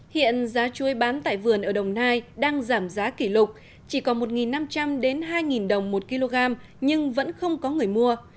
hiện giá chuối bán tại vườn ở đồng nai đang giảm giá kỷ lục chỉ còn một năm trăm linh hai đồng một kg nhưng vẫn không có người mua